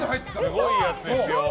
すごいやつですよ。